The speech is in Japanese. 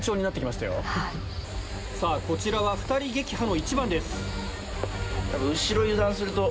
さぁこちらは２人撃破の１番です。